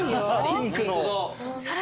ピンクの。